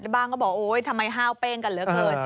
บ้างก็บอกโอ๊ยทำไมห้าวเป้งกันเหลือเกิน